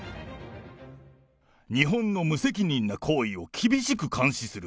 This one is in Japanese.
日本の無責任な行為を厳しく監視する。